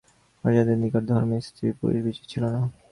আর্যদের নিকট ধর্মে স্ত্রী-পুরুষ বিচার ছিল না।